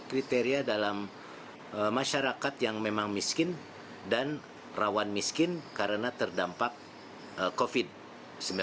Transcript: kriteria dalam masyarakat yang memang miskin dan rawan miskin karena terdampak covid sembilan belas